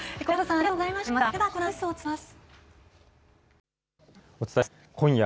おめでとうございます。